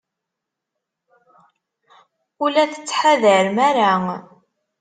Ur la tettḥadarem ara.